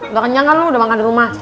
bahkan jangan lu udah makan di rumah